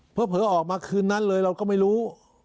เผลอออกมาคืนนั้นเลยเราก็ไม่รู้